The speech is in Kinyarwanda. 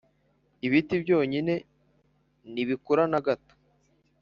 ibiti byonyine, nibikura na gato